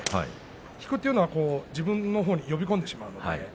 引くというのは自分のほうに呼び込んでしまうことです。